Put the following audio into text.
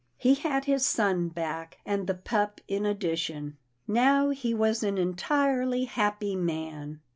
He had his son back, and the pup in addition. Now he was an entirely happy man.